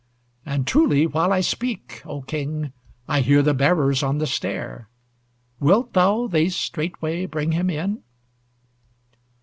And truly while I speak, O King, I hear the bearers on the stair; Wilt thou they straightway bring him in?